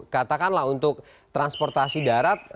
katakanlah untuk transportasi darat